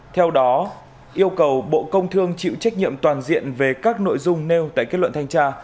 theo đó yêu cầu bộ công thương chịu trách nhiệm toàn diện về các nội dung nêu tại kết luận thanh tra